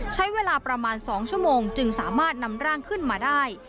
ใช้เวลาประมาณ๒ชั่วโมงจึงสามารถนำร่างขึ้นมาได้